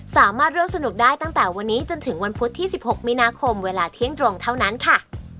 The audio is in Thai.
สามารถร่วมสนุกได้ตั้งแต่วันนี้จนถึงวันพุธที่๑๖มีนาคมเวลาเที่ยงตรงเท่านั้นค่ะ